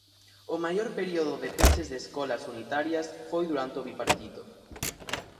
O maior período de peches de escolas unitarias foi durante o Bipartito.